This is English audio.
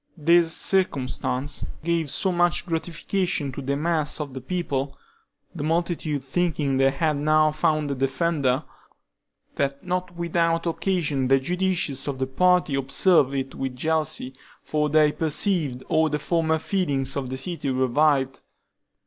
This circumstance gave so much gratification to the mass of the people (the multitude thinking they had now found a defender), that not without occasion the judicious of the party observed it with jealousy, for they perceived all the former feelings of the city revived.